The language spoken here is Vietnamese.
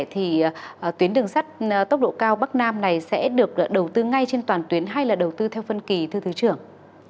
thì tuyến đường sắt tốc độ cao bắc nam này sẽ được đầu tư ngay trên toàn tuyến hay là đầu tư theo phân kỳ thưa thứ trưởng